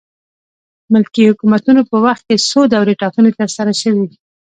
ملکي حکومتونو په وخت کې څو دورې ټاکنې ترسره شوې.